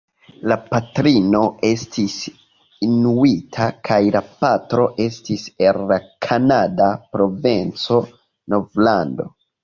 La patrino estis inuita kaj la patro estis el la kanada provinco Novlando.